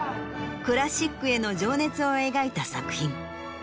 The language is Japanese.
クラシックへの情熱を描いた作品。